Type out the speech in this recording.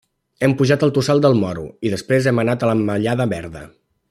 Hem pujat al Tossal del Moro i després hem anat a la Mallada Verda.